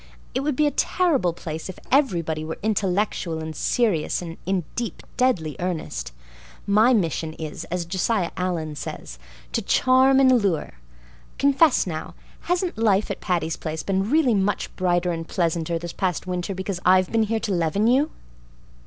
It would be a terrible place if everybody were intellectual and serious and in deep, deadly earnest. MY mission is, as Josiah Allen says, 'to charm and allure.' Confess now. Hasn't life at Patty's Place been really much brighter and pleasanter this past winter because I've been here to leaven you?"